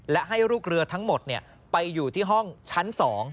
และให้ลูกเรือทั้งหมดไปอยู่ที่ห้องชั้น๒